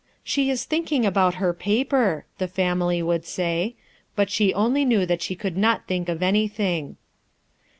"She is thinking about her paper," the family would say, but she only knew that she could not think of anything.